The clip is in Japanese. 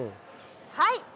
はい！